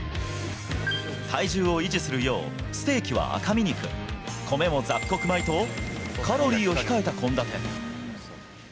体重を維持するようステーキは赤身肉、米も雑穀米と、カロリーを控えた献立。